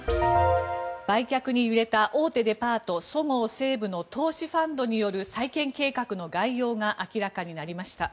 売却に揺れた大手デパート、そごう・西武の投資ファンドによる再建計画の概要が明らかになりました。